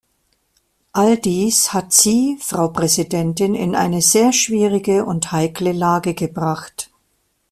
All dies hat Sie, Frau Präsidentin, in eine sehr schwierige und heikle Lage gebracht.